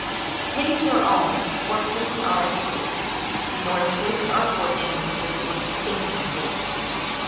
Pity your own, or pity our estate; Nor twist our fortunes with your sinking fate.